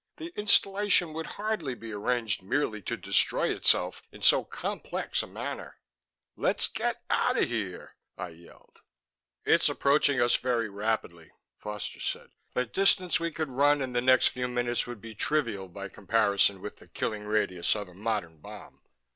"The installation would hardly be arranged merely to destroy itself in so complex a manner." "Let's get out of here," I yelled. "It's approaching us very rapidly," Foster said. "The distance we could run in the next few minutes would be trivial by comparison with the killing radius of a modern bomb.